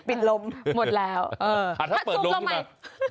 ปิดลมหมดแล้วคัทกะเปิดลงมาถ้าสูบลงมา